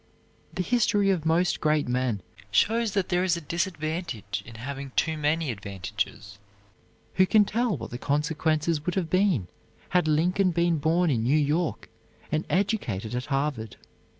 The history of most great men shows that there is a disadvantage in having too many advantages. Who can tell what the consequences would have been had Lincoln been born in New York and educated at Harvard?